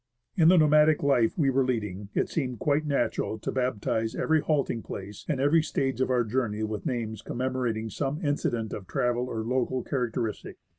In the nomadic life we were leading, it seemed quite natural to baptize every halting place and every stage of our journey with names commemorating some incident of travel or local characteristic.